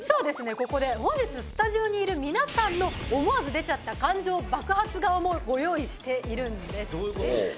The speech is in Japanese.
ここで本日スタジオにいる皆さんの思わず出ちゃった感情バクハツ顔もご用意しているんですどういうことですか？